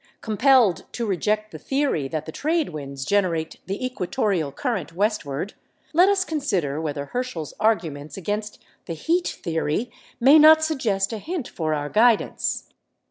Compelled to reject the theory that the trade winds generate the equatorial current westward, let us consider whether Herschel's arguments against the 'heat theory' may not suggest a hint for our guidance.